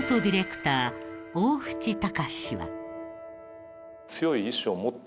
ディレクター大渕隆は。